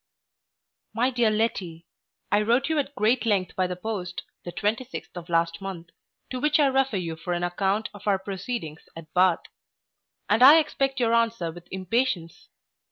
MY DEAR LETTY, I wrote you at great length by the post, the twenty sixth of last month, to which I refer you for an account of our proceedings at Bath; and I expect your answer with impatience.